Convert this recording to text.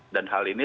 dan hal ini